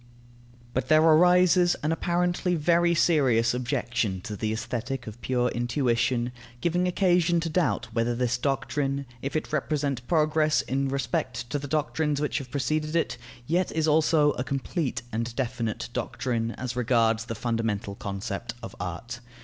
But there arises an apparently very serious objection to the Aesthetic of pure intuition, giving occasion to doubt whether this doctrine, if it represent progress in respect to the doctrines which have preceded it, yet is also a complete and definite doctrine as regards the fundamental concept of art.